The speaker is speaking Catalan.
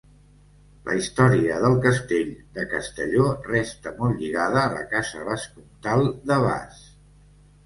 La història del castell de Castelló resta molt lligada a la casa vescomtal de Bas.